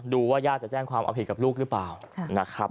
ดูว่าญาติจะแจ้งความอภิกษ์กับลูกหรือเปล่า